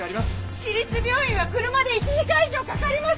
市立病院は車で１時間以上かかります！